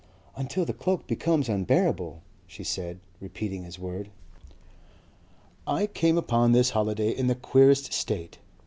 "Until the cloak becomes unbearable," she said, repeating his word. "I came upon this holiday in the queerest state.